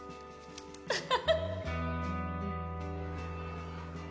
ハハハッ！